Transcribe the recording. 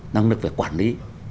năng lực về quản lý